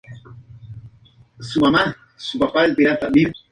La trata de personas es distinta al tráfico ilegal de personas.